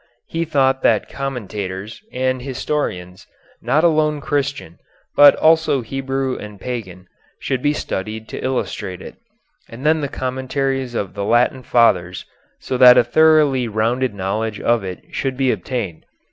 He thought that commentators, and historians, not alone Christian, but also Hebrew and Pagan, should be studied to illustrate it, and then the commentaries of the Latin fathers, so that a thoroughly rounded knowledge of it should be obtained.